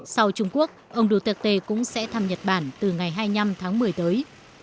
sau trung quốc ông duterte cũng sẽ thăm nhật bản từ ngày hai mươi năm tháng một mươi tới